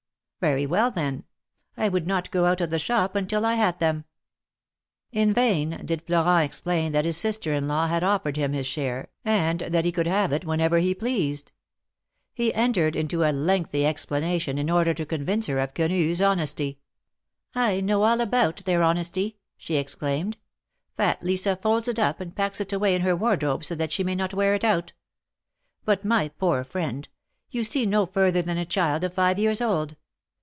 Very well, then ; I would not go out of the shop until I had them." In vain did Florent explain that his sister in law had offered him his share, and that he could have it whenever he pleased. He entered into a lengthy explanation in order to convince her of Quenu's honesty. I know all about their honesty," she exclaimed. "Fat Lisa folds it up, and packs it away in her wardrobe so that she may not wear it out. But, my poor friend ! you see no further than a child of five years old.